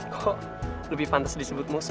kok lebih pantes disebut musuh ya